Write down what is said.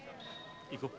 行こう。